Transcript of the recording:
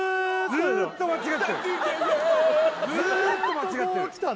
ずーっと間違ってる卒業